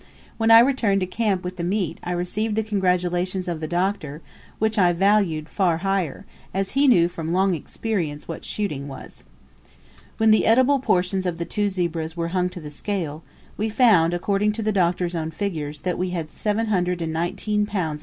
When I returned to camp with the meat I received the congratulations of the Doctor, which I valued far higher, as he knew from long experience what shooting was. When the eatable portions of the two zebras were hung to the scale, we found, according to the Doctor's own figures, that we had 719 lbs.